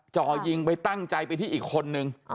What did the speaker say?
จ่อยิงไปตั้งใจไปที่อีกคนนึง